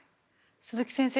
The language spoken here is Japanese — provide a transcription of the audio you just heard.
鈴木先生